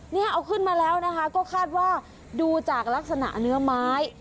นี่เอาขึ้นมาแล้วนะคะก็คาดว่าดูจากลักษณะเนื้อไม้